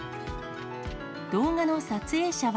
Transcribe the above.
動画の撮影者は。